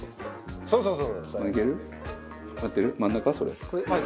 そうそうそう！